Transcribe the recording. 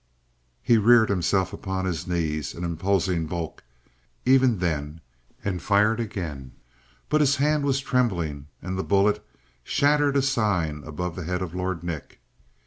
He reared himself upon his knees an imposing bulk, even then, and fired again. But his hand was trembling, and the bullet shattered a sign above the head of Lord Nick.